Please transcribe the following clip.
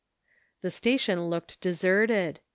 The station looked deserted.